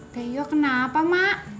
teh yo kenapa mak